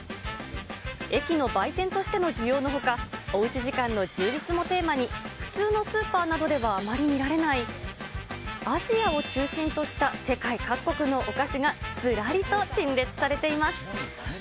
駅の売店としての需要のほか、おうち時間の充実もテーマに、普通のスーパーなどでは、あまり見られない、アジアを中心とした世界各国のお菓子がずらりと陳列されています。